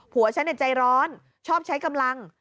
ผัวฉันเนี่ยใจร้อนชอบใช้กำลัง